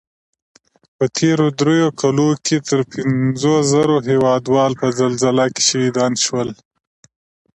په تېرو دریو کلو کې تر پنځو زرو هېوادوال په زلزله کې شهیدان شول